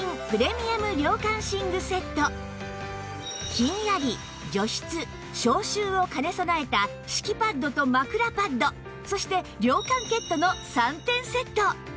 ひんやり除湿消臭を兼ね備えた敷きパッドと枕パッドそして涼感ケットの３点セット